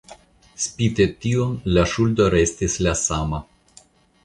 Spite tion, la ŝuldo restis la sama.